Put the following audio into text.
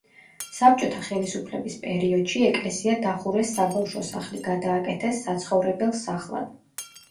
საბჭოთა ხელისუფლების პერიოდში ეკლესია დახურეს საბავშვო სახლი გადააკეთეს საცხოვრებელ სახლად.